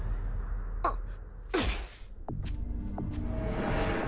あっ。